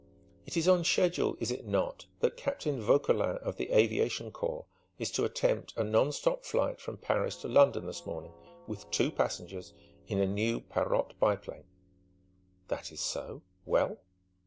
"It is on schedule, is it not, that Captain Vauquelin of the Aviation Corps is to attempt a non stop flight from Paris to London this morning, with two passengers, in a new Parrott biplane?" "That is so.... Well?"